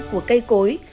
của cây cối